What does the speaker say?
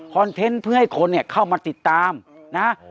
เทนต์เพื่อให้คนเนี่ยเข้ามาติดตามนะ